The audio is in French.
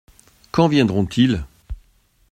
Quand viendront-ils ?